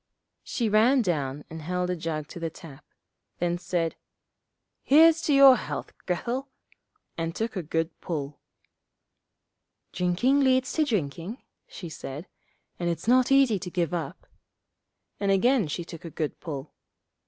She ran down and held a jug to the tap, then said, 'Here's to your health, Grethel,' and took a good pull. 'Drinking leads to drinking,' she said, 'and it's not easy to give it up,' and again she took a good pull.